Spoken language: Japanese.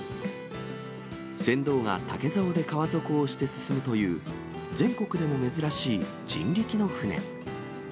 船頭が竹ざおで川底を押して進むという、全国でも珍しい人力の船。